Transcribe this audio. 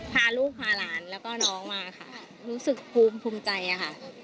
พาลูกพาหลานแล้วก็น้องมาค่ะรู้สึกภูมิภูมิใจอะค่ะ